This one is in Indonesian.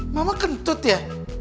mama kentut ya